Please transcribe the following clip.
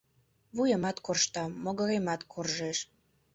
Вуемат коршта, могыремат коржеш.